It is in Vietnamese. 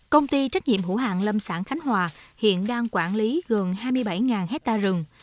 công ty trách nhiệm hữu hạng lâm sản khánh hòa hiện đang quản lý gần hai mươi bảy hectare rừng